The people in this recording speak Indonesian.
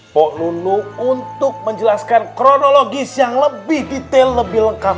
pok nunu untuk menjelaskan kronologis yang lebih detail lebih lengkap